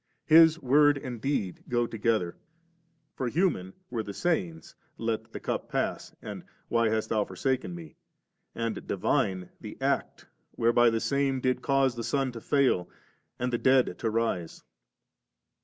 EUs word and deed go together. For human were the sayings, * Let the cup pass,' and * Why hast Thou for saken Me?' and divine the act whereby the Same did cause the sun to fail and the dead to rise.